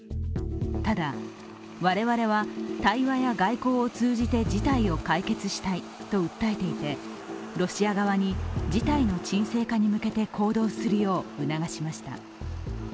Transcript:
ただ、我々は対話や外交を通じて事態を解決したいと訴えていてロシア側に事態の沈静化に向けて行動するよう促しました。